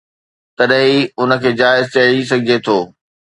تڏهن ئي ان کي جائز چئي سگهجي ٿو